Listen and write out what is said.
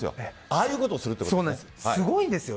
ああいうことをするということですね。